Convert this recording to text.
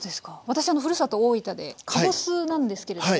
私あのふるさと大分でかぼすなんですけれども。